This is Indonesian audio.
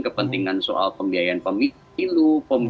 kepentingan soal pembiayaan pemilu